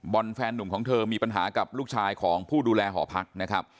แฟนหนุ่มของเธอมีปัญหากับลูกชายของผู้ดูแลหอพักนะครับ